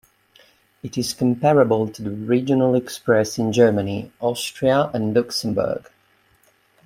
It is comparable to the Regional-Express in Germany, Austria and Luxemburg.